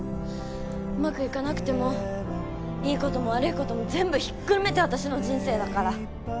うまくいかなくても良いことも悪いこともぜんぶひっくるめて私の人生だから。